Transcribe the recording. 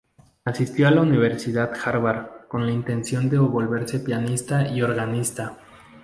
Asistió a la Universidad Harvard con la intención de volverse pianista y organista.